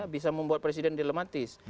bisa membuat presiden dilematis